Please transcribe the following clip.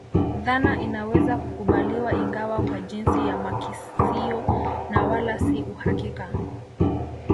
Dhana inaweza kukubaliwa ingawa kwa jinsi ya makisio na wala si uhakika